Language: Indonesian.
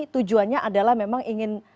tujuannya adalah memang ingin